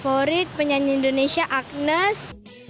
favorit penyanyi indonesia agnes